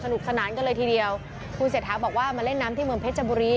นุกสนานกันเลยทีเดียวคุณเศรษฐาบอกว่ามาเล่นน้ำที่เมืองเพชรบุรี